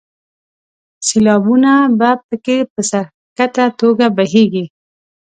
سیلابونه په کې په سر ښکته توګه بهیږي.